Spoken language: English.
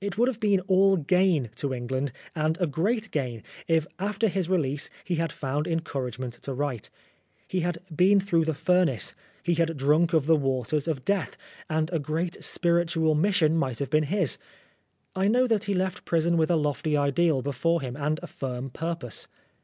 It would have been all gain to England, and a great gain, if after his release he had found encouragement to write. He had been through the furnace, he had drunk of the waters of death, and a great spiritual mission might have been his. I know that he left prison with a lofty ideal before him and a firm purpose.